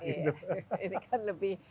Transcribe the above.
iya ini kan lebih